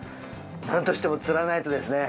なんとしても釣らないとですね。